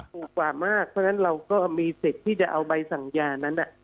เพราะฉะนั้นเราก็มีสิทธิ์ที่จะเอาใบสังเย้า